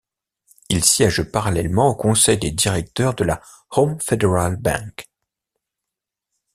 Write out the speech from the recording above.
Il siège parallèlement au conseil des directeurs de la Home Federal Bank.